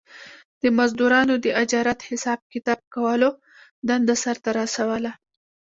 د مزدورانو د اجرت حساب کتاب کولو دنده سر ته رسوله